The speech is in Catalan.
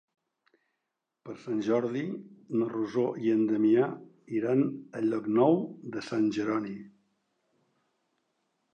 Per Sant Jordi na Rosó i en Damià iran a Llocnou de Sant Jeroni.